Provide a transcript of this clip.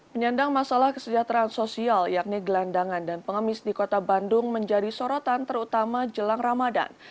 penyandang masalah kesejahteraan sosial yakni gelandangan dan pengemis di kota bandung menjadi sorotan terutama jelang ramadan